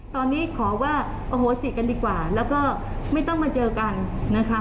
ตอนนี้ขอว่าอโหสิกันดีกว่าแล้วก็ไม่ต้องมาเจอกันนะคะ